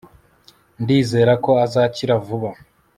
ndizera ko azakira vuba